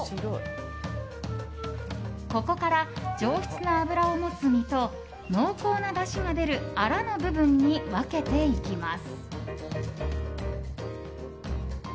ここから、上質な脂を持つ身と濃厚なだしが出るアラの部分に分けていきます。